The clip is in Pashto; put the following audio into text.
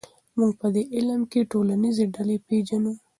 موږ په دې علم کې ټولنیزې ډلې پېژنو.